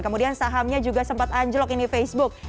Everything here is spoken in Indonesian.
kemudian sahamnya juga sempat anjlok ini facebook